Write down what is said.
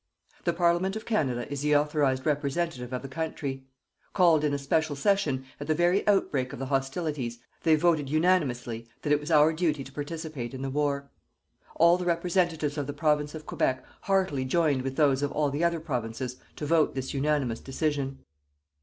The Parliament of Canada is the authorized representative of the Country. Called in a special session, at the very outbreak of the hostilities, they voted unanimously that it was our duty to participate in the war. All the representatives of the Province of Quebec heartily joined with those of all the other Provinces to vote this unanimous decision.